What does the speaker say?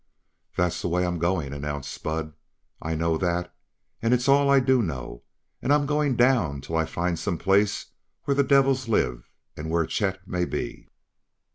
"That's the way I'm goin'," announced Spud. "I know that, and it's all I do know; I'm goin' down till I find some place where the devils live and where Chet may be."